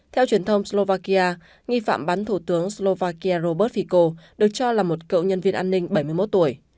theo truyền thông slovakia nghi phạm bắn thủ tướng slovakia robert fico được cho là một cựu nhân viên an ninh bảy mươi một tuổi